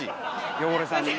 汚れさんにね。